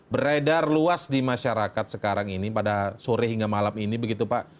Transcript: beredar luas di masyarakat sekarang ini pada sore hingga malam ini begitu pak